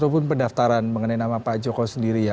ataupun pendaftaran mengenai nama pak jokowi sendiri ya